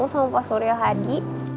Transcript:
sama pak suryo hadi